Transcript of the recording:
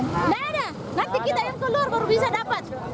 tidak ada nanti kita yang keluar baru bisa dapat